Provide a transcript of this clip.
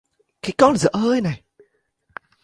Cái con dở hơi này